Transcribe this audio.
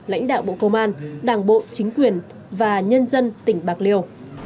lãnh đạo bộ công an đảng bộ chính quyền và nhân dân tỉnh bạc liêu